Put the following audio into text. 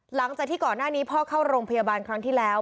หลังจากที่ก่อนหน้านี้พ่อเข้าโรงพยาบาลครั้งที่แล้ว